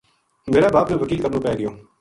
میرا باپ نا وکیل کرنو پے گو